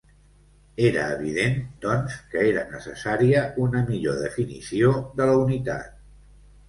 Era evident, doncs, que era necessària una millor definició de la unitat.